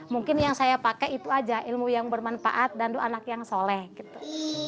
mungkin yang saya pakai itu aja ilmu yang bermanfaat dan anak yang soleh gitu